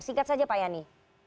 singkat saja pak yani